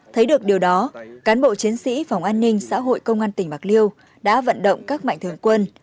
thấy được điều đó cán bộ chiến sĩ phòng an ninh xã hội công an tỉnh bạc liêu đã vận động các mạnh thường quân